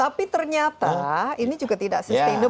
tapi ternyata ini juga tidak sustainab